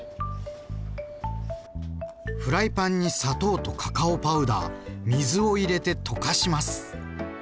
フライパンに砂糖とカカオパウダー水を入れて溶かします。